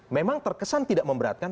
memang terkesan tidak memberatkan